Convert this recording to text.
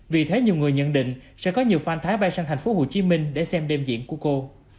vì thế nhiều người nhận định sẽ có nhiều phan thái bay sang tp hcm để xem đêm diễn của cô